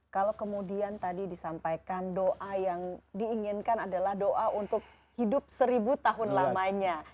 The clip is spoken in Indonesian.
kalau kemudian tadi disampaikan doa yang diinginkan adalah doa untuk hidup seribu tahun lamanya